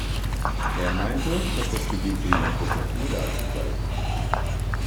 Er meinte, dass das Gebiet für die Landwirtschaft ungeeignet sei.